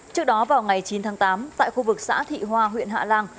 trước đó vào ngày chín tháng tám tại khu vực xã thị hoa huyện hạ lan